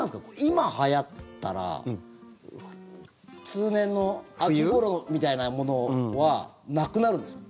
今はやったら通年の秋ごろみたいなものはなくなるんですか？